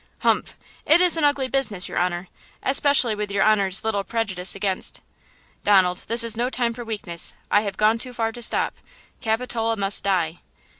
"Humph! it is an ugly business, your honor, especially with your honor's little prejudice against–" "Donald, this is no time for weakness! I have gone too far to stop! Capitola must die!"